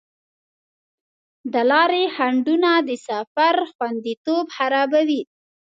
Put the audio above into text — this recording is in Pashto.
د لارې خنډونه د سفر خوندیتوب خرابوي.